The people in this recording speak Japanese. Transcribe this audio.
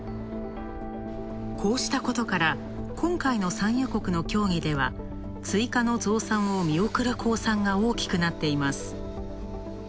こうしたことから今回の産油国の協議では追加の増産を見送る公算が大きくなっています。